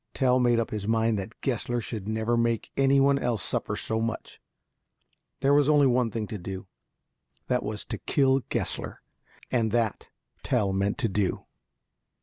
Tell made up his mind that Gessler should never make any one else suffer so much. There was only one thing to do. That was to kill Gessler, and that Tell meant to do.